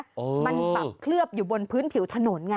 มันแบบเคลือบอยู่บนพื้นผิวถนนไง